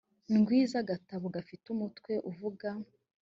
ndwi z agatabo gafite umutwe uvuga